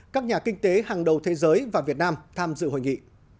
các nhà kinh tế hàng đầu thế giới và việt nam tham dự hội nghị